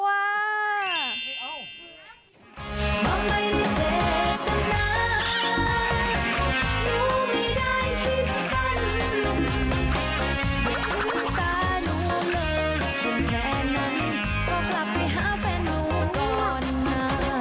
อื้อตาหนูเหมือนคนแทนนั้นก็กลับไปหาแฟนหนูก่อนนะ